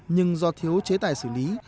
nhưng do thiếu chế tài xử lý